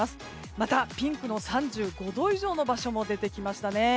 また、ピンクの３５度以上の場所も出てきましたね。